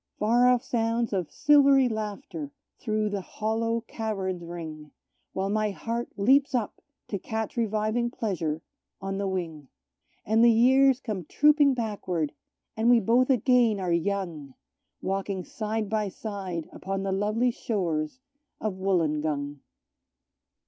Far off sounds of silvery laughter through the hollow caverns ring, While my heart leaps up to catch reviving pleasure on the wing; And the years come trooping backward, and we both again are young, Walking side by side upon the lovely shores of Wollongong.